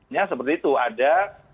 nya seperti itu ada